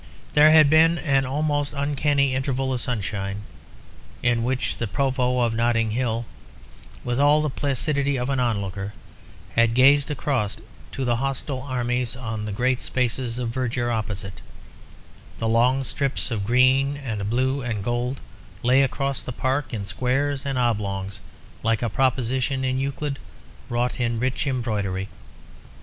There had been an almost uncanny interval of sunshine, in which the Provost of Notting Hill, with all the placidity of an onlooker, had gazed across to the hostile armies on the great spaces of verdure opposite; the long strips of green and blue and gold lay across the park in squares and oblongs like a proposition in Euclid wrought in a rich embroidery.